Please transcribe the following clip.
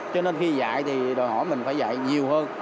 cho nên khi dạy thì đòi hỏi mình phải dạy nhiều hơn